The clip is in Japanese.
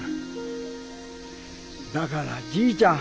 だからじいちゃん